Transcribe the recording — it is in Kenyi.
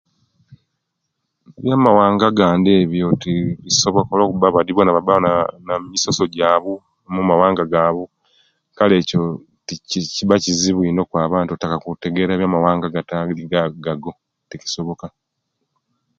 Byamawanga gandi ebyo tibiasoboka lwakuba badi bona baba namisoso jabu mumawanga gabu kele ekyo kiba kizibu ino okwaba oti otaka kutegera mumawanga agatali gago tikisoboka